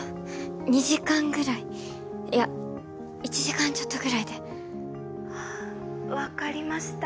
２時間ぐらいいや１時間ちょっとぐらいで☎あ分かりました